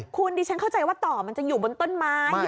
คุณดิฉันเข้าใจว่าต่อมันจะอยู่บนต้นไม้